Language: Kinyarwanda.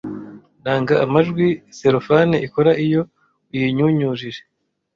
Nanga amajwi selofane ikora iyo uyinyunyujije.